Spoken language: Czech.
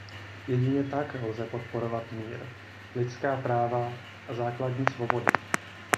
Jedině tak lze podporovat mír, lidská práva a základní svobody.